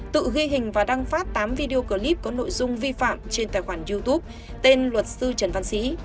tự ghi hình và đăng phát tám video clip có nội dung vi phạm trên tài khoản youtube tên luật sư trần văn sĩ